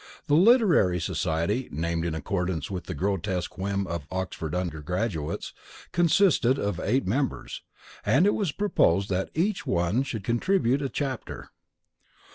The literary society, named in accordance with the grotesque whim of Oxford undergraduates, consisted of eight members, and it was proposed that each one should contribute a chapter.